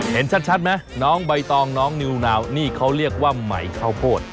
เห็นชัดไหมน้องใบตองน้องนิวนาวนี่เขาเรียกว่าไหมข้าวโพด